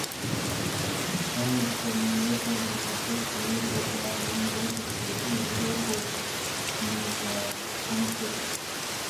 Lincoln University, a historically black university, is located in the township.